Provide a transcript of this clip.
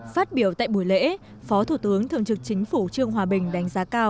phát biểu tại buổi lễ phó thủ tướng thường trực chính phủ trương hòa bình đánh giá cao